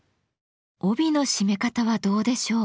帯の締め方はどうでしょう？